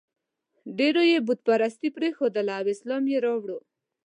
ډېرو یې بت پرستي پرېښودله او اسلام یې راوړ.